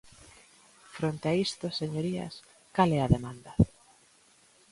Fronte a isto, señorías, ¿cal é a demanda?